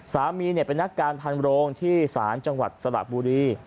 สามีเนี่ยเป็นนักการพันโรงที่สานจังหวัดสลับบูรี